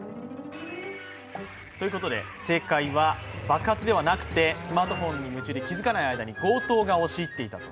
ということで正解は爆発ではなくてスマートフォンで気付かない間に強盗が押し入っていたと。